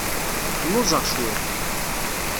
Lluẓeɣ cwiṭ.